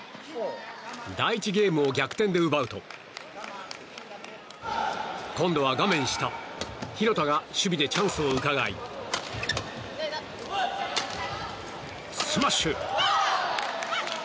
第１ゲームを逆転で奪うと今度は画面下廣田が守備でチャンスをうかがいスマッシュ！